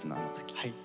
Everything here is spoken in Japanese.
はい。